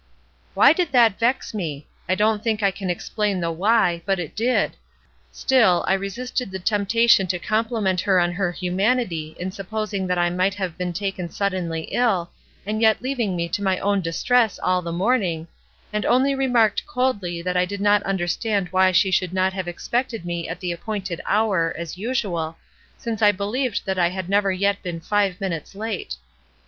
"Why did that vex me? I don't think I can explain the why, but it did. Still, I re sisted the temptation to compUment her on her humanity in supposing that I might have been taken suddenly ill, and yet leaving me to my own distresses all the morning, and only re marked coldly that I did not understand why she should not have expected me at the ap pointed hour, as usual, since I believed that I had never yet been five minutes late.